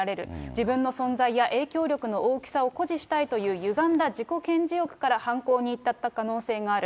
自分の存在や影響力の大きさを誇示したいというゆがんだ自己顕示欲から犯行に至った可能性がある。